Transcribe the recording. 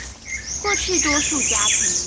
過去多數家庭